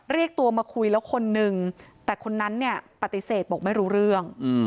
เรียกตัวมาคุยแล้วคนนึงแต่คนนั้นเนี่ยปฏิเสธบอกไม่รู้เรื่อง